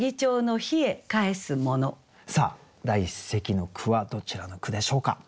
さあ第一席の句はどちらの句でしょうか？